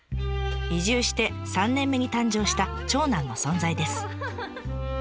移住して３年目に誕生した長男の存在です。